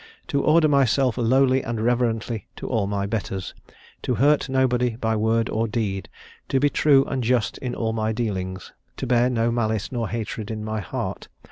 To order myself lowly and reverently to all my betters. To hurt nobody by word or deed. To be true and just in all my dealings. To bear no malice nor hatred in my heart.